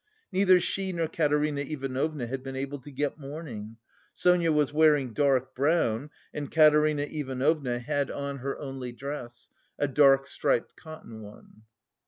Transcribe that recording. Neither she nor Katerina Ivanovna had been able to get mourning; Sonia was wearing dark brown, and Katerina Ivanovna had on her only dress, a dark striped cotton one.